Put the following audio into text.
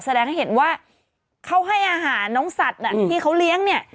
แสดงให้เห็นว่าเขาให้อาหารน้องสัตว์ที่เขาเลี้ยงเนี่ย